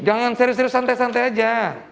jangan serius serius santai santai saja